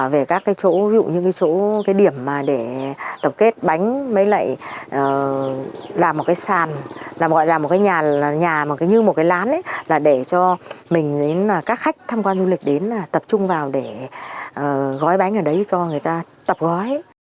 về các chỗ như điểm để tập kết bánh làm một cái sàn làm một cái nhà như một cái lán để cho các khách tham quan du lịch đến tập trung vào để gói bánh ở đấy cho người ta tập gói